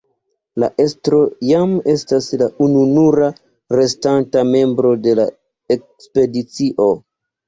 La estro jam estas la ununura restanta membro de la ekspedicio.